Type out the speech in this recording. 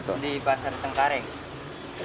di pasar tengkareng